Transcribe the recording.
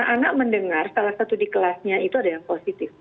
anak mendengar salah satu di kelasnya itu ada yang positif